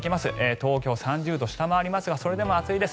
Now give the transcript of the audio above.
東京、３０度を下回りますがそれでも暑いです。